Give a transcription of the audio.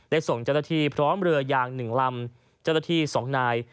ส่งเจ้าหน้าที่พร้อมเรือยาง๑ลำเจ้าหน้าที่๒นาย